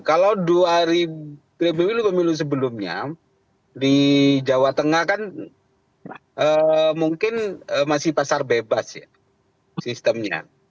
kalau pemilu pemilu sebelumnya di jawa tengah kan mungkin masih pasar bebas ya sistemnya